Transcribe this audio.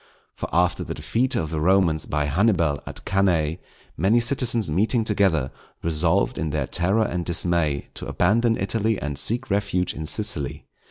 For after the defeat of the Romans by Hannibal at Cannæ, many citizens meeting together, resolved, in their terror and dismay, to abandon Italy and seek refuge in Sicily.